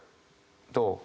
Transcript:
どう？」。